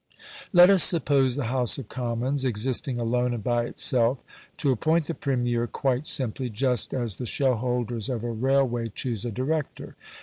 Let us suppose the House of Commons existing alone and by itself to appoint the Premier quite simply, just as the shareholders of a railway choose a director.